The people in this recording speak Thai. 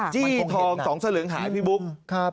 สีทอง๒สลึงหายพี่บุ๊ค